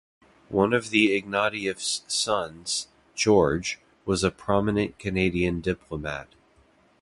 One of the Ignatieff's sons, George, was a prominent Canadian diplomat.